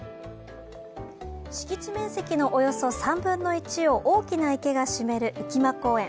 敷地面積のおよそ３分の１を大きな池が占める浮間公園。